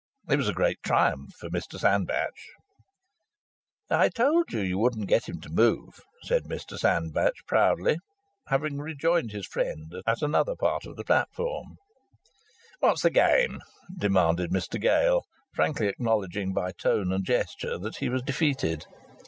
It was a great triumph for Mr Sandbach. "I told you you wouldn't get him to move!" said Mr Sandbach, proudly, having rejoined his friend at another part of the platform. "What's the game?" demanded Mr Gale, frankly acknowledging by tone and gesture that he was defeated.